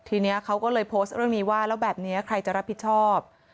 ทีนี้เขาก็เลยโพสต์เรื่องนี้ว่าแล้วแบบนี้ใครจะรับผิดชอบ